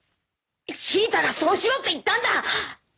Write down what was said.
シータがそうしろって言ったんだ！